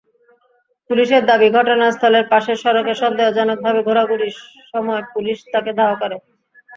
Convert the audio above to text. পুলিশের দাবি, ঘটনাস্থলের পাশের সড়কে সন্দেহজনকভাবে ঘোরাঘুরির সময় পুলিশ তাকে ধাওয়া করে।